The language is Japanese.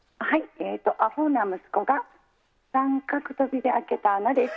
アホな息子が三角飛びで開けた穴です。